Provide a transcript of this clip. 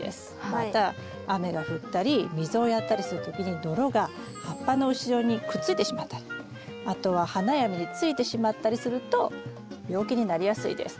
また雨が降ったり水をやったりする時に泥が葉っぱの後ろにくっついてしまったりあとは花や実についてしまったりすると病気になりやすいです。